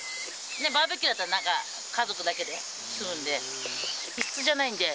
バーベキューだと、なんか家族だけでするんで。